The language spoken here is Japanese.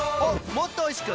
もっとおいしく！